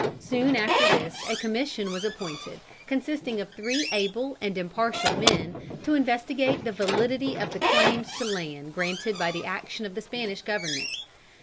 Soon after this a commission was appointed, consisting of three able and impartial men, to investigate the validity of the claims to land granted by the action of the Spanish Government.